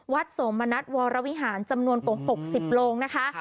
วัดสมมนตร์วรวิหารจำนวนปก๖๐โรงนะคะ